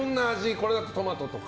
これだと、トマトとか。